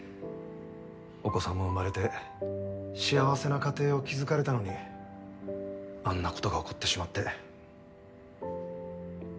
お子さんも生まれて幸せな家庭を築かれたのにあんな事が起こってしまって。